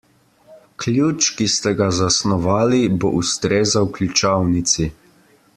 Ključ, ki ste ga zasnovali, bo ustrezal ključavnici.